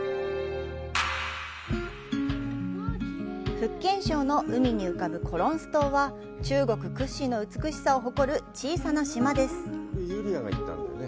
福建省の海に浮かぶコロンス島は、中国屈指の美しさを誇る小さな島です。